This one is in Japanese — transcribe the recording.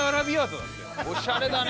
おしゃれだね。